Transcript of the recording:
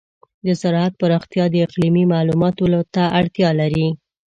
د زراعت پراختیا د اقلیمي معلوماتو ته اړتیا لري.